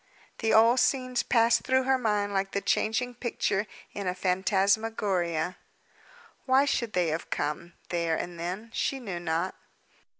The old scenes passed through her mind like the changing picture in a phantasmagoria. Why should they have come, there and then? She knew not.